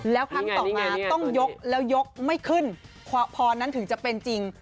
แล้วครั้งต่อมาต้องยกแล้วยกไม่ขึ้นพอนั้นถึงจะเป็นจริง